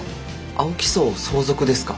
青木荘を相続ですか？